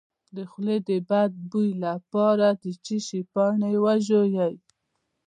د خولې د بد بوی لپاره د څه شي پاڼې وژويئ؟